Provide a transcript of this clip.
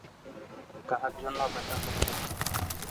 কাহার জন্য অপেক্ষা করিতেছ।